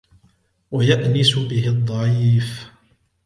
وَيَأْنِسُ بِهِ الضَّعِيفُ